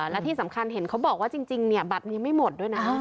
และที่สำคัญเห็นเขาบอกว่าจริงเนี่ยบัตรนี้ไม่หมดด้วยนะ